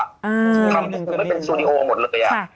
คือไม่เป็นสตูดิโออ่ะหมดเลยอ่ะ